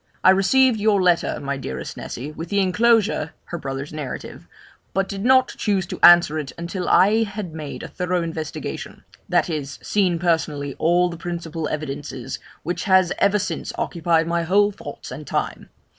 'I received your letter, my dearest Nessy, with the enclosure [her brother's narrative], but did not choose to answer it until I had made a thorough investigation; that is, seen personally all the principal evidences, which has ever since occupied my whole thoughts and time.